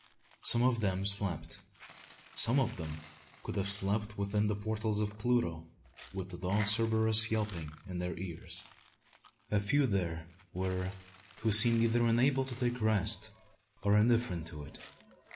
Some of them slept. Some of them could have slept within the portals of Pluto, with the dog Cerberus yelping in their ears! A few there were who seemed either unable to take rest or indifferent to it.